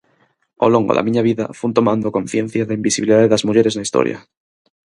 Ao longo da miña vida fun tomando conciencia da invisibilidade das mulleres na historia.